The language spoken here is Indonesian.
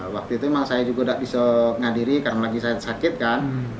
waktu itu memang saya juga tidak bisa ngadiri karena lagi saya sakit kan